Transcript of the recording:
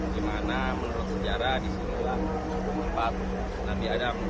gimana menurut sejarah disinilah tempat nabi adam